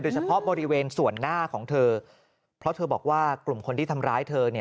เฉพาะบริเวณส่วนหน้าของเธอเพราะเธอบอกว่ากลุ่มคนที่ทำร้ายเธอ